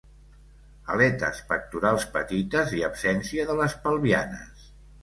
Aletes pectorals petites i absència de les pelvianes.